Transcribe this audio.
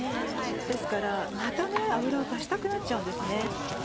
ですからまた油を足したくなっちゃうんですね。